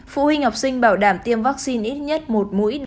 phụ huynh học sinh bảo đảm tiêm vaccine ít nhất một mũi